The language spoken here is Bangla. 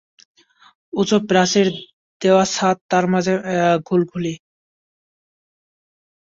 উঁচু প্রাচীর-দেওয়া ছাদ, তার মাঝে মাঝে ঘুলঘুলি।